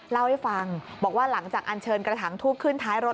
เล่าให้ฟังบอกว่าหลังจากอันเชิญกระถางทูบขึ้นท้ายรถ